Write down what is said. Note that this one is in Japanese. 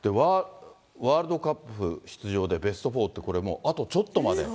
ワールドカップ出場でベスト４って、これ、あとちょっとまで。